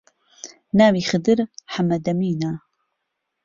ناوی خدر حەمەدەمینە